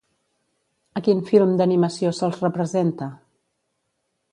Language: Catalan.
A quin film d'animació se'ls representa?